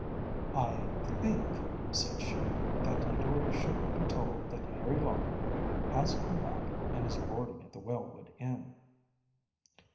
“I think,‚ÄĚ said she, “that Eudora should be told that Harry Lawton has come back and is boarding at the Wellwood Inn.